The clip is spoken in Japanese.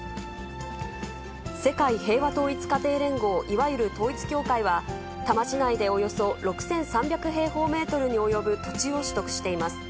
世界平和統一家庭連合、いわゆる統一教会は、多摩市内でおよそ６３００平方メートルに及ぶ土地を取得しています。